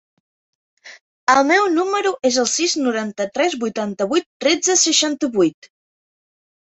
El meu número es el sis, noranta-tres, vuitanta-vuit, tretze, seixanta-vuit.